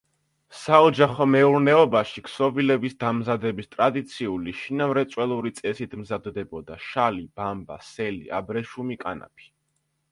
საოჯახო მეურნეობაში ქსოვილების დამზადების ტრადიციული, შინამრეწველური წესით მზადდებოდა შალი, ბამბა, სელი, აბრეშუმი, კანაფი.